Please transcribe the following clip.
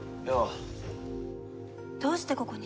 どうしてここに？